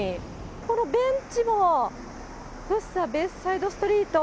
このベンチも、福生ベイサイドストリート。